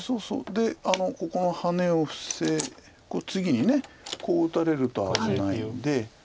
でここのハネを次にこう打たれると危ないんで。